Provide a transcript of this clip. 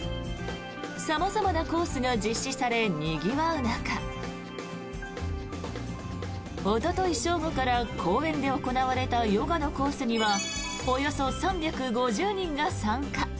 様々なコースが実施されにぎわう中おととい正午から公園で行われたヨガのコースにはおよそ３５０人が参加。